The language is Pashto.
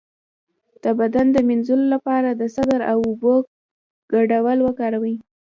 د بدن د مینځلو لپاره د سدر او اوبو ګډول وکاروئ